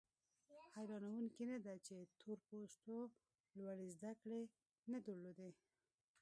حیرانوونکي نه ده چې تور پوستو لوړې زده کړې نه درلودې.